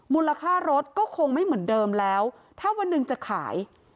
มูลค่ารถก็คงไม่เหมือนเดิมแล้วถ้าวันหนึ่งจะขาย